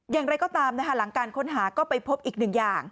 อย่างไรก็ตามนะคะหลังการค้นหาก็ไปพบอีกหนึ่งอย่าง